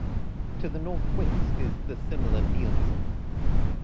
To the northwest is the similar Nielsen.